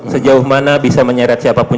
sejauh mana bisa menyeret siapapun